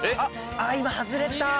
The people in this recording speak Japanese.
あ今外れた！